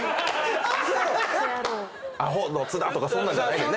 「アホの津田」とかそんなんじゃないねん。